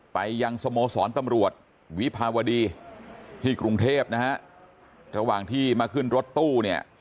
ไปยังสโมสรตำรวจวิภาวดีที่กรุงเทพนะฮะระหว่างที่มาขึ้นรถตู้เนี่ย